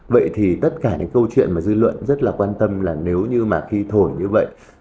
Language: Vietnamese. vậy thì tất cả những câu chuyện mà dư luận rất là quan tâm là nếu như mà khi thổi như vậy